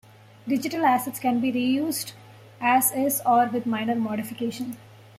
Digital assets can be reused as is or with minor modification.